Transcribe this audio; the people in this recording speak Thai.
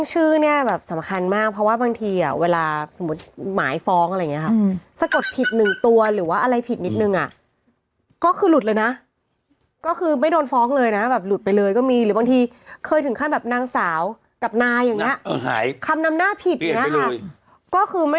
ชื่อสกุลซ้ำกันแล้วก็ยังไงมันได้หรือมันตามกฏม